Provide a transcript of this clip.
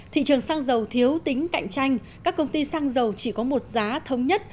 thị trường xăng dầu thiếu tính cạnh tranh các công ty xăng dầu chỉ có một giá thống nhất